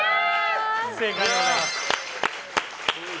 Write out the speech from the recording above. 正解でございます。